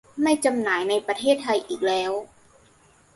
ไม่จำหน่ายในประเทศไทยอีกแล้ว